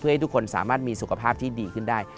ให้ทุกคนสามารถมีสุขภาพที่ดีขึ้นได้